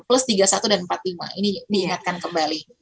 plus tiga puluh satu dan empat puluh lima ini diingatkan kembali